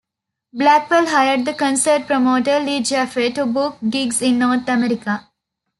Blackwell hired the concert promoter Lee Jaffe to book gigs in North America.